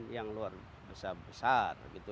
yang luar besar